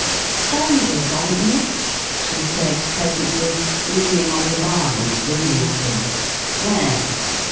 "Strangers, ain't you?" she said, pleasantly, leaning on the bar and grinning at them. "Yus."